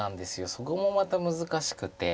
そこもまた難しくて。